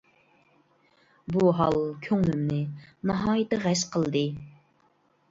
بۇ ھال كۆڭلۈمنى ناھايىتى غەش قىلدى.